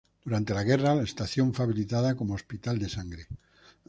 Durante la guerra, la estación fue habilitada como hospital de sangre.